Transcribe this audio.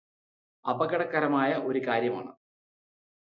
അപകടകരമായ ഒരു കാര്യമാണ്